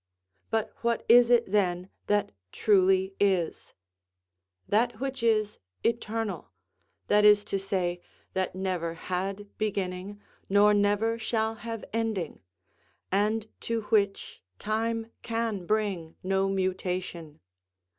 But what is it then that truly is? That which is eternal; that is to say, that never had beginning, nor never shall have ending, and to which time can bring no mutation.